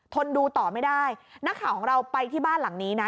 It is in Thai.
ดูต่อไม่ได้นักข่าวของเราไปที่บ้านหลังนี้นะ